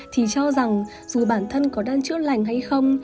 thì cho rằng dù bản thân có đan chữa lành hay không